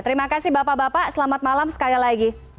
terima kasih bapak bapak selamat malam sekali lagi